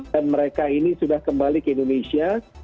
dan mereka ini sudah kembali ke indonesia